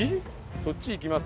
そっち行きます？